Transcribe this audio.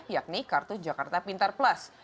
yakni kartu jakarta pintar plus